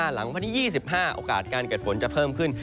หลังวันที่๒๕โอกาสการเกิดฝนจะเพิ่มขึ้น